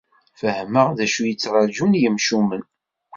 Fehmeɣ d acu i yettraǧun imcumen.